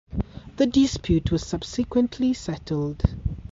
The dispute was subsequently settled.